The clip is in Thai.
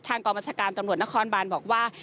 ทางกรมชาการตำรวจนครบันบอกว่า